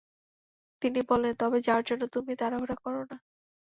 তিনি বললেন, তবে যাওয়ার জন্য তুমি তাড়াহুড়া করো না।